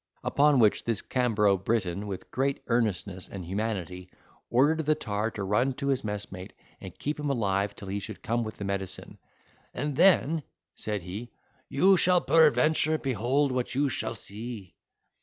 Upon which this Cambro Briton, with great earnestness and humanity, ordered the tar to run to his messmate, and keep him alive till he should come with the medicine, "and then," said he, "you shall peradventure pehold what you shall see."